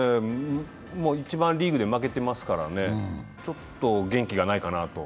一番リーグで負けてますからね、ちょっと元気がないかなと。